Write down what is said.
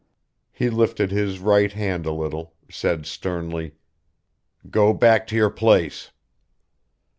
He lifted his right hand a little, said sternly: "Go back to your place."